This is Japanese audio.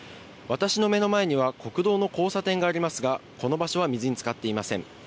私の目の前には、国道の交差点がありますが、この場所は水につかっていません。